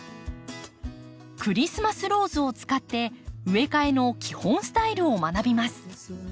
クリスマスローズを使って植え替えの基本スタイルを学びます。